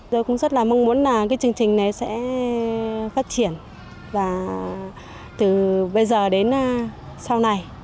tôi cũng rất là mong muốn là cái chương trình này sẽ phát triển và từ bây giờ đến sau này